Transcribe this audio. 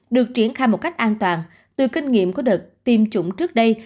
được triển khai một cách an toàn từ kinh nghiệm của đợt tiêm chủng trước đây